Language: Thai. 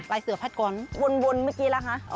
ลายเสือภาคกร